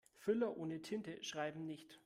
Füller ohne Tinte schreiben nicht.